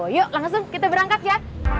yuk langsung kita berangkat ya